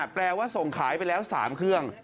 แปลว่าส่งขายไปแล้ว๓เครื่อง